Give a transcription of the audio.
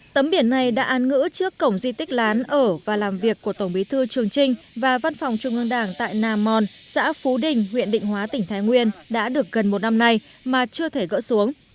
tấm biển này đã an ngữ trước cổng di tích lán ở và làm việc của tổng bí thư trường trinh và văn phòng trung ương đảng tại nà mòn xã phú đình huyện định hóa tỉnh thái nguyên đã được gần một năm nay mà chưa thể gỡ xuống